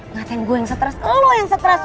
nggak ntar gue yang stres lo yang stres